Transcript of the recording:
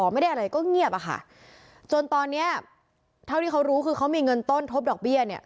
ไม่ได้อะไรก็เงียบอะค่ะจนตอนเนี้ยเท่าที่เขารู้คือเขามีเงินต้นทบดอกเบี้ยเนี่ย